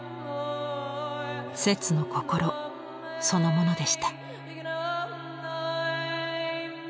摂の心そのものでした。